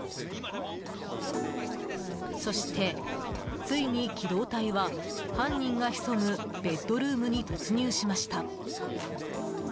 そしてついに、機動隊は犯人が潜むベッドルームに突入しました。